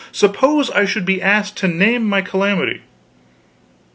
Suppose I should be asked to name my calamity?